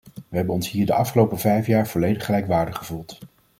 We hebben ons hier de afgelopen vijf jaar volledig gelijkwaardig gevoeld.